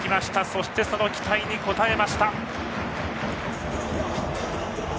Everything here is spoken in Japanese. そして、その期待に応えました。